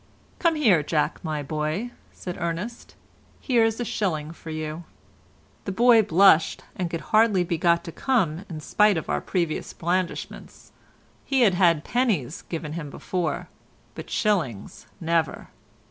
"Come here, Jack, my boy," said Ernest, "here's a shilling for you." The boy blushed and could hardly be got to come in spite of our previous blandishments; he had had pennies given him before, but shillings never.